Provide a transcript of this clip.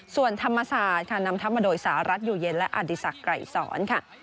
ส่วนธรรมศาสตร์นำทับมาโดยสารัฐอยู่เย็นและอดีษักรไกรศร